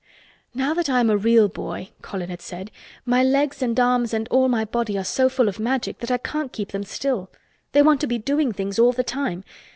"Now that I am a real boy," Colin had said, "my legs and arms and all my body are so full of Magic that I can't keep them still. They want to be doing things all the time.